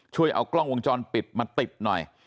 ช่วยเอากล้องวงจรปิดมาติดหน่อย